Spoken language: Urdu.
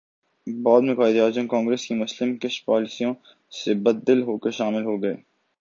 بعد میں قائداعظم کانگریس کی مسلم کش پالیسیوں سے بددل ہوکر شامل ہوگئے